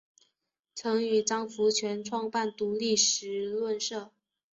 曾与张佛泉创办独立时论社。